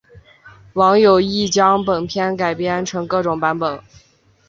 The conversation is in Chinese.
网友亦将本片改编成各种版本。